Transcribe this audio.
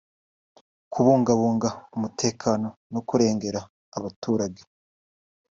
kubungabunga umutekano no kurengera abaturage